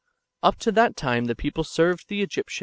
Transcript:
Up to that time the people served the Egyptians in 1 Ex.